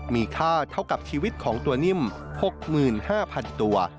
มีค่าเท่ากับชีวิตของตัวนิ่ม๖๕๐๐๐ตัว